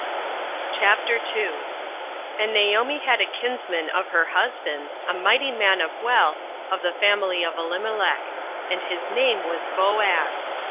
08:002:001 And Naomi had a kinsman of her husband's, a mighty man of wealth, of the family of Elimelech; and his name was Boaz.